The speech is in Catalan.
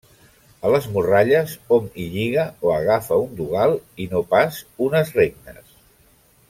A les morralles, hom hi lliga o agafa un dogal i no pas unes regnes.